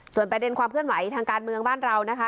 ส่วนประเด็นความเคลื่อนไหวทางการเมืองบ้านเรานะคะ